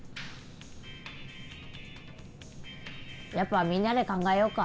やっぱみんなで考えようか。